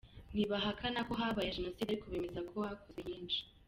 Ntibahakana ko habaye Jenoside ariko bemeza ko hakozwe nyinshi.”